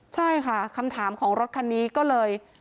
ใช่ค่ะคำถามของรถคันนี้ก็เลย